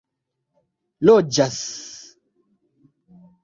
loĝas